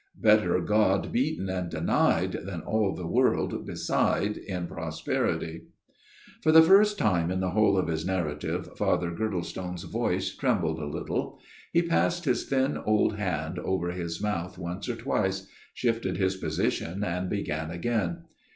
Better God beaten and denied, than all the world beside in prosperity !" For the first time in the whole of his narrative Father Girdlestone's voice trembled a little. He passed his thin old hand over his mouth once or twice, shifted his position and began again.